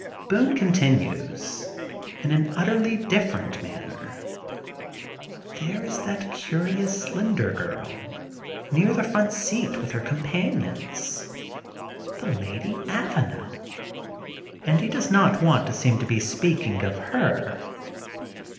^^ Boono continues, in an utterly different manner. There is that curious slender girl near the front seat with her companions, the Lady Avanel, and he does not want to seem to be speaking of her.